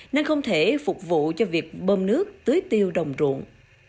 nên không thể phục vụ cho việc bơm nước tưới tiêu đồng ruộng